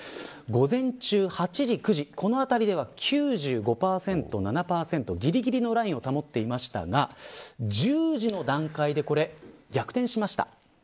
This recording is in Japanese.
午前中８時、９時このあたりでは９５％、９７％ぎりぎりのラインを保っていましたが１０時の段階で逆転しました。